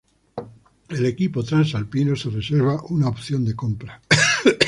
El equipo transalpino se reserva una opción de compra.